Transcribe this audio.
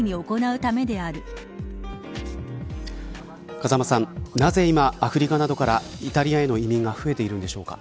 風間さん、なぜ今アフリカなどからイタリアへの移民が増えているんでしょうか。